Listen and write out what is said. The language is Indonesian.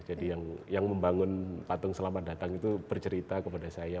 jadi yang membangun patung selamat datang itu bercerita kepada saya